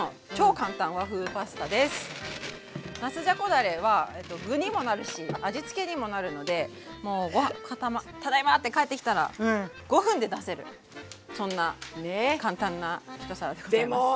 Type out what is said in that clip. だれは具にもなるし味付けにもなるので「ただいま」って帰ってきたら５分で出せるそんな簡単な一皿でございます。